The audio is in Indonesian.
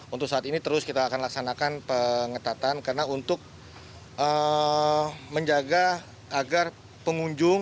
untuk saat ini terus kita akan laksanakan pengetatan karena untuk menjaga agar pengunjung